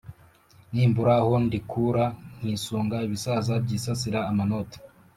Nimbura aho ndikura Nkisunga ibisaza Byisasira amanoti